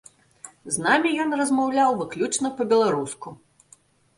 З намі ён размаўляў выключна па-беларуску.